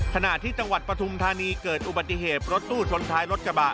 ขณะที่จังหวัดปฐุมธานีเกิดอุบัติเหตุรถตู้ชนท้ายรถกระบะ